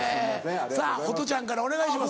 さぁホトちゃんからお願いします。